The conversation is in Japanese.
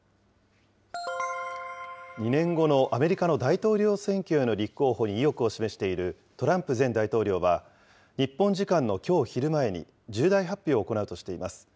２年後のアメリカの大統領選挙への立候補に意欲を示しているトランプ前大統領は、日本時間のきょう昼前に、重大発表を行うとしています。